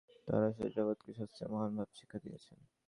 তাঁহারা শুধু জগৎকে শাস্ত্রের মহান ভাব শিক্ষা দিয়াছেন।